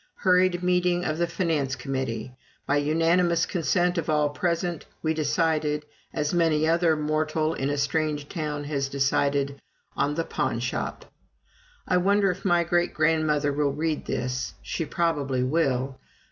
Hurried meeting of the finance committee. By unanimous consent of all present, we decided as many another mortal in a strange town has decided on the pawnshop. I wonder if my dear grandmother will read this she probably will.